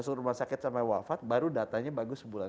masuk rumah sakit sampai wafat baru datanya bagus sebulan